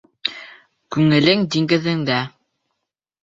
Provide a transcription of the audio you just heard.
Күңелең диңгеҙеңдә.